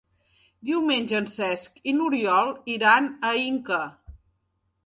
Diumenge en Cesc i n'Oriol iran a Inca.